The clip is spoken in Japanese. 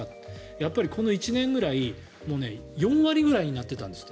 やっぱりこの１年くらい４割くらいになってたんですって。